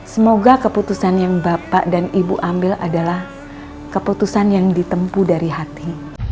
semoga keputusan yang bapak dan ibu ambil adalah keputusan yang ditempu dari hati